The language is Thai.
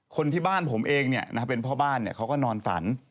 คนที่บ้านผมเองเป็นพ่อบ้านเขาก็นอนฝัน